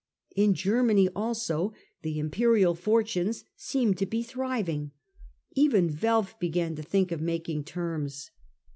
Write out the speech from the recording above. In Germany also the imperial fortunes seemed to be reviving. Even Welf began to think of making terms.